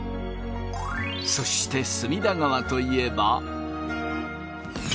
そして隅田川といえば。